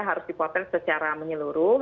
harus dipotret secara menyeluruh